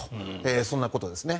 そんなことですね。